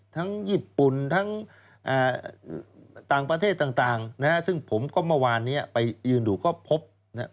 ทั้งญี่ปุ่นทั้งต่างประเทศต่างนะฮะซึ่งผมก็เมื่อวานนี้ไปยืนดูก็พบนะฮะ